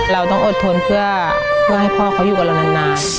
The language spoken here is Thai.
เราต้องอดทนเพื่อให้พ่อเขาอยู่กับเรานาน